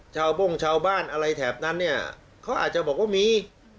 โบ้งชาวบ้านอะไรแถบนั้นเนี่ยเขาอาจจะบอกว่ามี